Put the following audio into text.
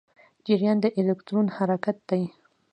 جریان د الکترون حرکت دی.